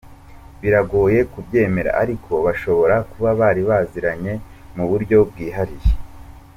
Biragoye kubyemera ariko bashobora kuba bari baraziranye mu buryo bwihariye”.